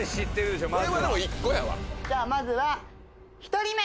じゃあまずは１人目！